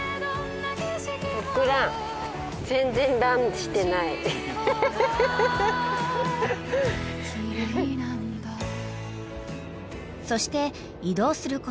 ［そして移動すること５時間